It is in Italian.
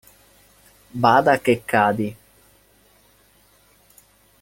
Bada che cadi.